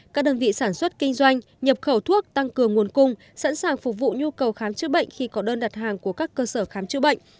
các đơn vị sản xuất kinh doanh nhập khẩu thuốc tăng cường nguồn cung sẵn sàng phục vụ nhu cầu khám chữa bệnh khi có đơn đặt hàng của các cơ sở khám chữa bệnh